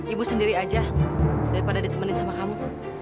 ibu sendiri aja daripada ditemenin sama kamu